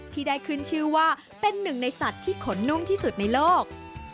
ที่ได้ขึ้นชื่อว่าเป็นหนึ่งในสัตว์ที่ขนนุ่มที่สุดในโลก